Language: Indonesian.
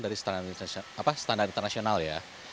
dari standar internasional ya